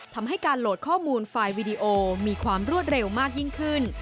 ทำให้การโหลดข้อมูลไฟล์วีดีโอมีความรวดเร็วมากยิ่งขึ้น